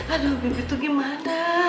aduh bibi tuh gimana